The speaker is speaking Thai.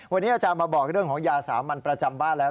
วันนี้อาจารย์มาบอกเรื่องของยาสามัญประจำบ้านแล้ว